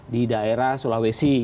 di daerah sulawesi